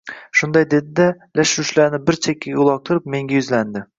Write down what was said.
Shunday dedi-da, lash-lushlarini bir chekkaga uloqtirib menga yuzlandi.